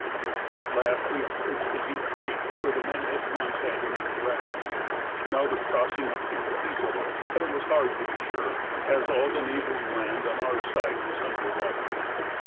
At last we approached the deep creek where the men had once had to make a raft. Now the crossing appeared feasible, but it was hard to be sure, as all the neighbouring land on our side was under water.